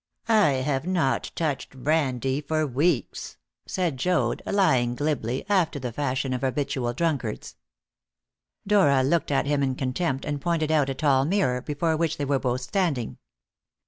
"I have not touched brandy for weeks!" said Joad, lying glibly, after the fashion of habitual drunkards. Dora looked at him in contempt, and pointed out a tall mirror, before which they were both standing.